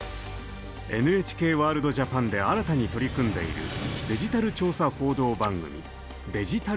「ＮＨＫワールドＪＡＰＡＮ」で新たに取り組んでいるデジタル調査報道番組「ＤｉｇｉｔａｌＥｙｅ」。